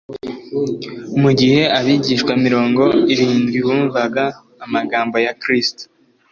Mu gihe abigishwa mirongo irindwi bumvaga amagambo ya Kristo,